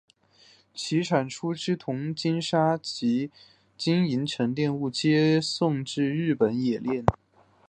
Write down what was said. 其产出之铜精砂及金银沉淀物皆运至日本冶炼。